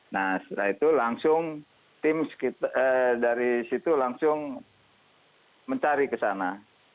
nah setelah itu langsung tim dari situ langsung mencari ke sana